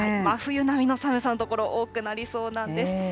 真冬並みの寒さの所、多くなりそうなんです。